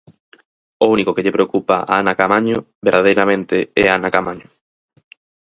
O único que lle preocupa a Ana Caamaño verdadeiramente é Ana Caamaño.